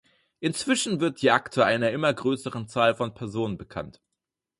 Inzwischen wird die Akte einer immer größeren Zahl von Personen bekannt.